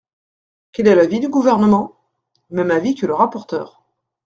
Quel est l’avis du Gouvernement ? Même avis que le rapporteur.